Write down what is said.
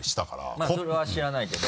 それは知らないけど。